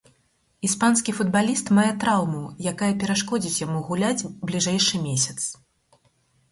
Іспанскі футбаліст мае траўму, якая перашкодзіць яму гуляць бліжэйшы месяц.